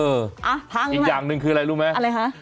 อีกอย่างนึงคืออะไรรู้มั้ย